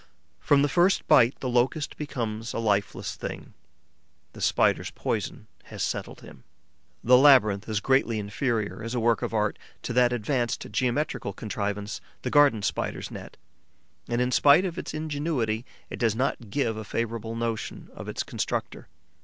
From the first bite, the Locust becomes a lifeless thing; the Spider's poison has settled him. The labyrinth is greatly inferior, as a work of art, to that advanced geometrical contrivance, the Garden Spider's net; and, in spite of its ingenuity, it does not give a favourable notion of its constructor.